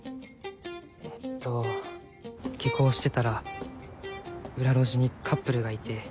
えっと下校してたら裏路地にカップルがいて。